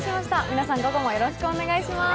皆さん、午後もよろしくお願いします。